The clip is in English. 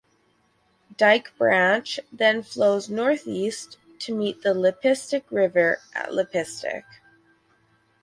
Dyke Branch then flows northeast to meet the Leipsic River at Leipsic.